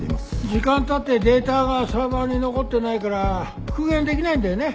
時間たってデータがサーバーに残ってないから復元できないんだよね。